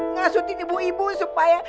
ngasutin ibu ibu supaya